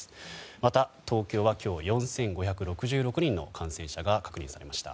また、東京は今日４５６６人の感染者が確認されました。